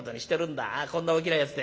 こんな大きなやつで。